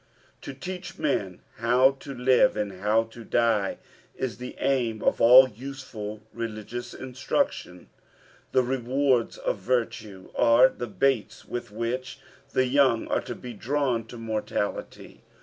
To teach men how to live and how to die, is the aim of all uaeful religioua instruction. The rewards of virtue ate the baita with which the young are to be drawn to morality.